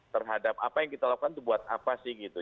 terhadap apa yang kita lakukan itu buat apa sih gitu